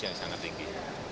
nanti bisa jadi